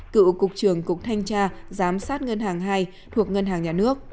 cựu cục trưởng cục thanh tra giám sát ngân hàng hai thuộc ngân hàng nhà nước